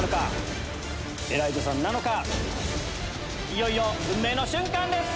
いよいよ運命の瞬間です！